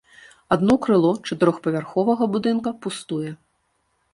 Адно крыло чатырохпавярховага будынка пустуе.